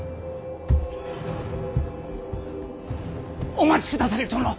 お待ちくだされ殿！